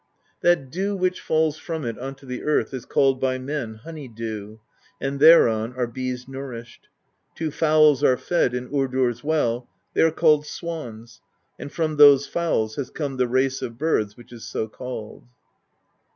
That dew which falls from it onto the earth is called by men honey dew, and thereon are bees nourished. Two fowls are fed in Urdr's Well: they are called Swans, and from those fowls has come the race of birds which is so called."